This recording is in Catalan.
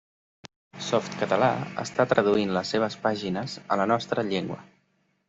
Softcatalà està traduint les seves pàgines a la nostra llengua.